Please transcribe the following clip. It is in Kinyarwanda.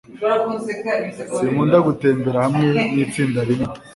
Sinkunda gutembera hamwe nitsinda rinini